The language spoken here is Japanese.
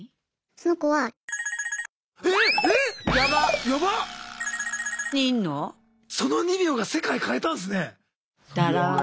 その２秒が世界変えたんですね。